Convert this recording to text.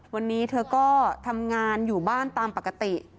วันนี้เธอก็ทำงานอยู่บ้านตามปกติ